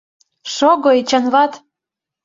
Шого, Эчанват!